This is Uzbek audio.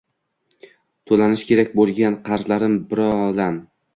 To‘lanishi kerak bo’lgan qarzlarim biro lam.